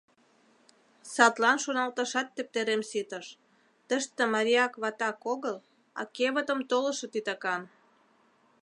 Садлан шоналташат тептерем ситыш: «Тыште марияк-ватак огыл, а кевытым толышо титакан...»